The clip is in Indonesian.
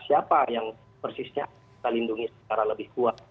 siapa yang persisnya kita lindungi secara lebih kuat